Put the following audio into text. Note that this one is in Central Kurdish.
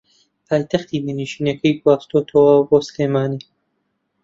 پایتەختی میرنشینەکەی گواستووەتەوە بۆ سلێمانی